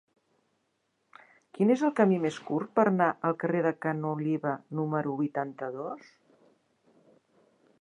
Quin és el camí més curt per anar al carrer de Ca n'Oliva número vuitanta-dos?